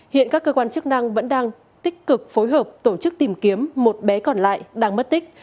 hiện các cơ quan chức năng vẫn đang tích cực phối hợp tổ chức tìm kiếm một bé còn lại đang mất tích